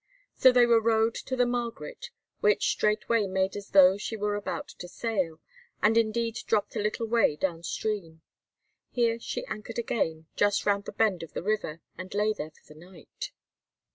So they were rowed to the Margaret, which straightway made as though she were about to sail, and indeed dropped a little way down stream. Here she anchored again, just round a bend of the river, and lay there for the night.